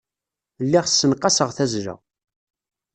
Lliɣ ssenqaseɣ tazzla.